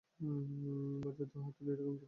বা জাদুর হাতুড়ি বা এরকম কিছু কেন পেলাম না?